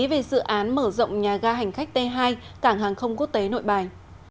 về dự án mở rộng nhà ga hành khách t hai cảng hàng không quốc tế nội bài